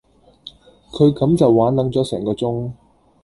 佢咁就玩撚咗成個鐘